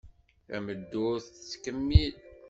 Tameddurt tettkemmil.